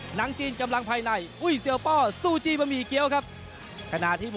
หนังจีนกำลังภายใน